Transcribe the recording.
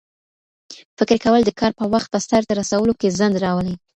فکر کول د کار په وخت په سرته رسولو کې ځنډ راولي.